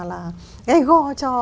ngây go cho